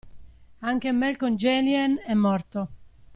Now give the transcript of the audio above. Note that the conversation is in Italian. Anche Melkon Gehenlyan è morto.